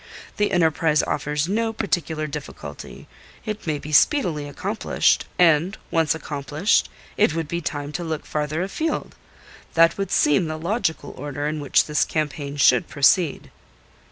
The enterprise offers no particular difficulty; it may be speedily accomplished, and once accomplished, it would be time to look farther afield. That would seem the logical order in which this campaign should proceed."